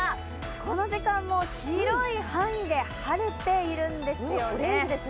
この時間広い範囲で晴れているんですよね。